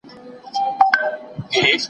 تل په ګټورو فعالیتونو باندې ځان بوخت ساتئ.